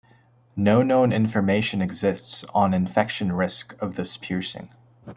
No known information exists on infection risk of this piercing.